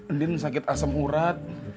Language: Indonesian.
endin sakit asem urat